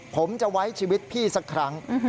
ผมจะไว้ชีวิตพี่สักครั้ง